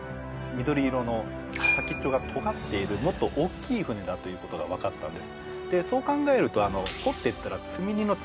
緑色の先っちょがとがっているもっと大きい船だということが分かったんです